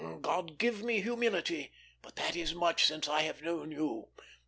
God give me humility, but that is much since I have known you.